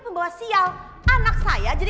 b deux muka yang besar